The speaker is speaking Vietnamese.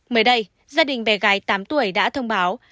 mới đây gia đình bé gái tám tuổi đã thông báo